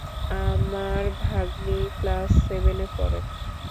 আমার আমার ভাগ্নী, ক্লাস সেভেনে পড়ে।